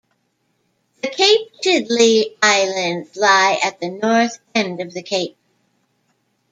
The Cape Chidley Islands lie at the north end of the cape.